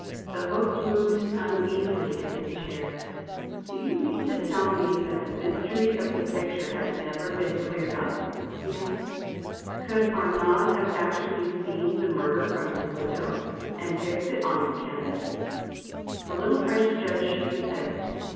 The Host moved uneasily in his chair. "Do you mean to tell me that the mystery of the picture has never been cleared up?" he asked. "Could Arnaud have actually seen the murder from his window, and fixed it on the canvas?" The little French Judge shook his head.